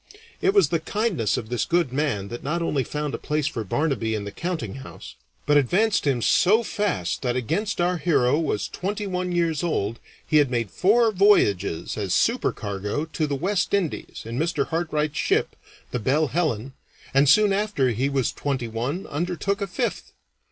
It was the kindness of this good man that not only found a place for Barnaby in the countinghouse, but advanced him so fast that against our hero was twenty one years old he had made four voyages as supercargo to the West Indies in Mr. Hartright's ship, the Belle Helen, and soon after he was twenty one undertook a fifth.